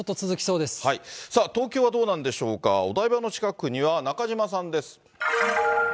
さあ、東京はどうなんでしょうか、お台場の近くには中島さんです。